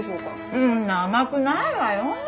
そんな甘くないわよ。